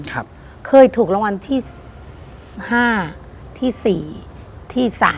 เคยถูกรางวัลที่๕ที่๔ที่๓